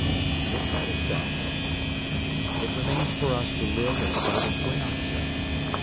If that is so, it remains for us to live as though it were not so.